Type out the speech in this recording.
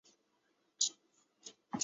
阿考昂是巴西皮奥伊州的一个市镇。